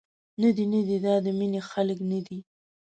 ندي، ندي دا د مینې خلک ندي.